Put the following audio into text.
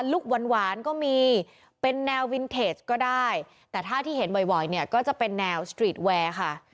ลูกหวานหวานก็มีเป็นแนววินเทจก็ได้แต่ถ้าที่เห็นบ่อยเนี่ยก็จะเป็นแนวสตรีทแวร์ค่ะ